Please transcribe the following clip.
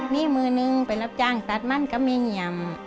มีมือนึงเป็นรับจ้างสัตว์มันก็ไม่เหนียม